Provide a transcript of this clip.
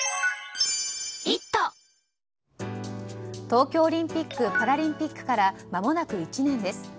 東京オリンピック・パラリンピックからまもなく１年です。